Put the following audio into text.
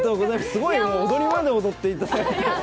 すごい踊りまで踊っていただいて。